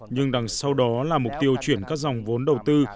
nhưng đằng sau đó là mục tiêu chuyển các dòng vốn đầu tư